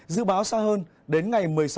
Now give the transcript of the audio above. dự báo xa hơn đến ngày một mươi sáu